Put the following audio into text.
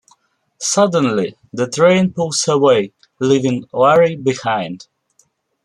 Suddenly the train pulls away, leaving Larry behind.